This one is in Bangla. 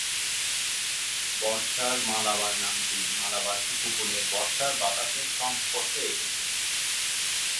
বর্ষার মালাবার নামটি মালাবার উপকূলের বর্ষার বাতাসের সংস্পর্শে এসেছে।